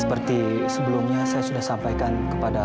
seperti sebelumnya saya sudah sampaikan kepada